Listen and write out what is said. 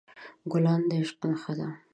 ګلان د عشق نښه ده.